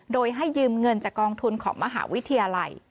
โดยให้ยืมเงินจากกองทุนของมหาวิทยาลัย